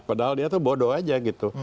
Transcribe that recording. padahal dia tuh bodoh aja gitu